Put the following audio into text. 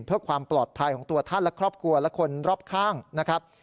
เพื่อความปลอดภัยของตัวท่านและครอบครัวและคนรอบข้างนะครับ